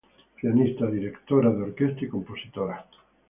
Pianista, director de orquesta y compositor.